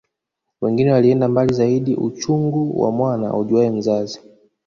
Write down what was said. Wengine walienda mbali zaidi uchungu wa mwana aujuae mzazi